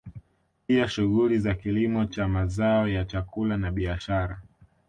Pia shughuli za kilimo cha mazao ya chakula na biashara